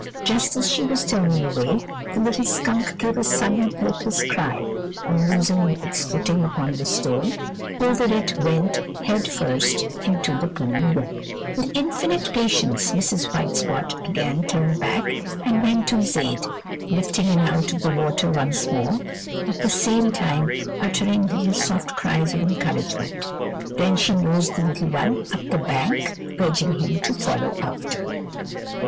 Just as she was turning away, the little skunk gave a sudden, helpless cry, and losing its footing upon the stone, over it went head first into the pool again. With infinite patience Mrs. White Spot again turned back and went to his aid, lifting him out of the water once more, at the same time uttering little soft cries of encouragement; then she nosed the little one up the bank, urging him to follow after.